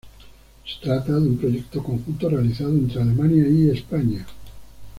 Se trata de un proyecto conjunto realizado entre Alemania y España.